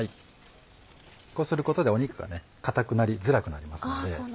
こうすることで肉が硬くなりづらくなりますので。